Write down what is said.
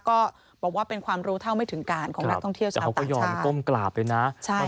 ก็บอกว่าเป็นความรู้เท่าไม่ถึงการของนักท่องเที่ยวชาติกลางชาติ